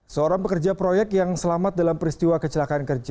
seorang pekerja proyek yang selamat dalam peristiwa kecelakaan kerja